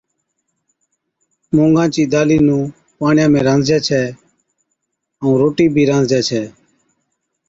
مُونگا چِي دالِي نُون پاڻِيا ۾ رانڌجَي ڇَي ائُون روٽِي بِي رانڌجَي ڇَي